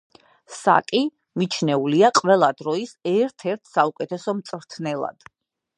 საკი მიჩნეულია ყველა დროის ერთ-ერთ საუკეთესო მწვრთნელად.